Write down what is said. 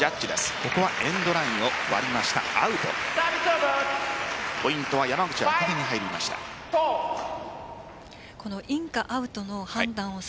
ここはエンドラインを割りました、アウトです。